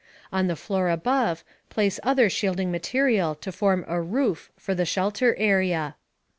On the floor above, place other shielding material to form a "roof" for the shelter area.